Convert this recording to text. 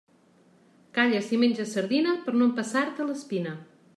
Calla si menges sardina per no empassar-te l'espina.